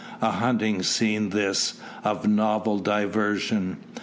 A hunting scene this, of novel diversion.